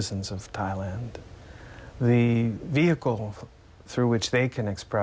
มันสงสัยต่อไปและมันยังมีทางออกมา